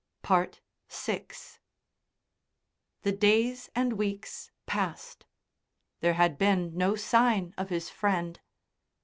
VI The days and weeks passed. There had been no sign of his friend....